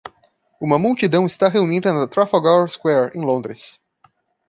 Uma multidão está reunida na Trafalgar Square, em Londres.